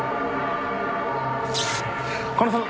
狩野さん。